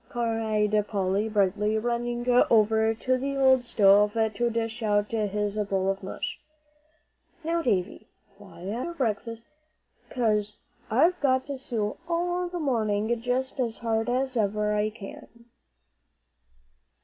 cried Polly, brightly, running over to the old stove to dish out his bowl of mush. "Now, Davie, fly at your breakfast, 'cause I've got to sew all the morning just as hard as ever I can."